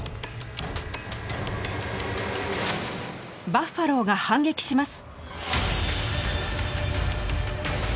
バッファローが反撃します。